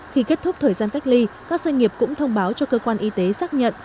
khi kết thúc thời gian cách ly các doanh nghiệp cũng thông báo cho cơ quan y tế xác nhận